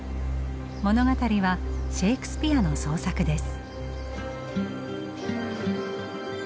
物語はシェークスピアの創作です。